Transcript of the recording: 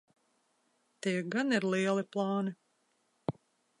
Tie gan ir lieli plāni.